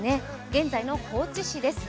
現在の高知市です。